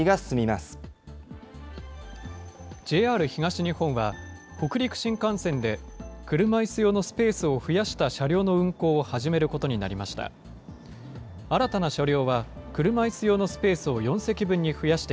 ＪＲ東日本は、北陸新幹線で、車いす用のスペースを増やした車両の運行を始めることになりました。